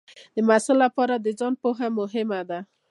د محصل لپاره د ځان پوهه مهمه ده.